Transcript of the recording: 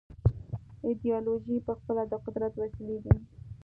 ایدیالوژۍ پخپله د قدرت وسیلې دي.